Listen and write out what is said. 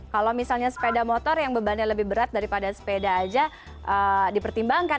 kalau misalnya sepeda motor yang bebannya lebih berat daripada sepeda aja dipertimbangkan